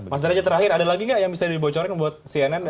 mas derajat terakhir ada lagi nggak yang bisa dibocorin buat cnn